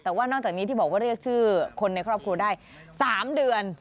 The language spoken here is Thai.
แต่ว่านอกจากนี้ที่บอกว่าเรียกชื่อคนในครอบครัวได้๓เดือน